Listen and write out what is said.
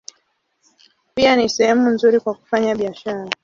Pia ni sehemu nzuri kwa kufanya biashara.